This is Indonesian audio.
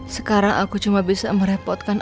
sekarang aku cuma bisa merepotkan